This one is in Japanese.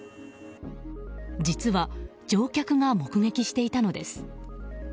実は、乗客が目撃していたのです。